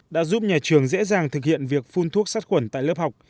đã giúp nhà trường dễ dàng thực hiện việc phun thuốc sát khuẩn tại lớp học